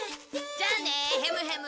じゃあねヘムヘム。